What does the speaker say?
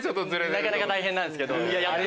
なかなか大変なんですけど。